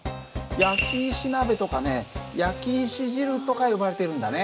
焼き石鍋とかね焼き石汁とか呼ばれているんだね。